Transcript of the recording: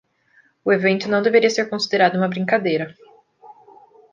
O evento não deveria ser considerado uma brincadeira.